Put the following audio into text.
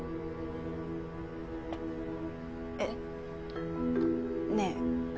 えっねえ